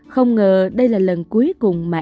không ngờ đây là lần cuối cùng mẹ